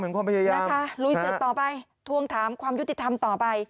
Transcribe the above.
รุยเสร็จต่อไปทวงถามความยุติธรรมต่อไป